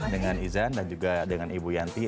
dengan izan dan juga dengan ibu yanti